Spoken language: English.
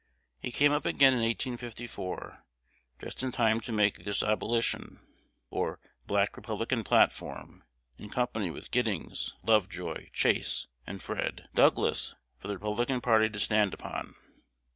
He came up again in 1854, just in time to make this abolition or Black Republican platform, in company with Giddings, Lovejoy, Chase, and Fred. Douglas, for the Republican party to stand upon.